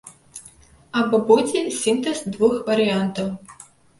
Або будзе сінтэз двух варыянтаў.